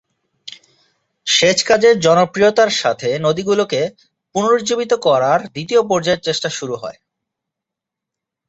সেচ কাজের জনপ্রিয়তার সাথে নদীগুলিকে পুনরুজ্জীবিত করার দ্বিতীয় পর্যায়ের চেষ্টা শুরু হয়।